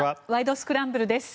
スクランブル」です。